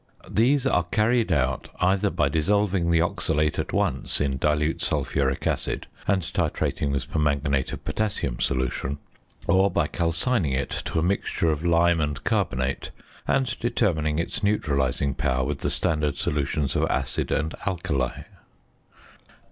These are carried out either by dissolving the oxalate at once in dilute sulphuric acid, and titrating with permanganate of potassium solution; or by calcining it to a mixture of lime and carbonate, and determining its neutralising power with the standard solutions of acid and alkali.